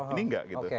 ini enggak gitu